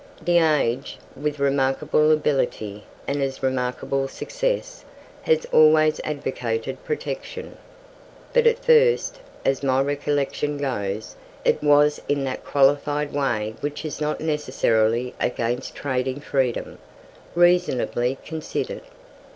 "The Age", with remarkable ability and as remarkable success, has always advocated Protection. But at first, as my recollection goes, it was in that qualified way which is not necessarily against trading freedom, reasonably considered.